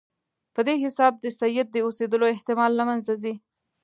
په دې حساب د سید د اوسېدلو احتمال له منځه ځي.